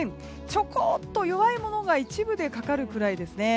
ちょこっと、弱いものが一部でかかるくらいですね。